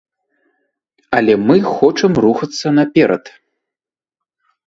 Але мы хочам рухацца наперад.